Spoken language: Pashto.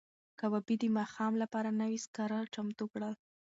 کبابي د ماښام لپاره نوي سکاره چمتو کړل.